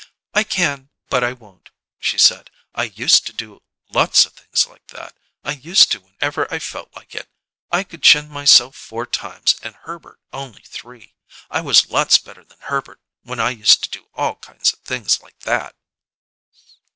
"I can, but I won't," she said. "I used to do lots of things like that. I used to whenever I felt like it. I could chin myself four times and Herbert only three. I was lots better than Herbert when I used to do all kinds of things like that."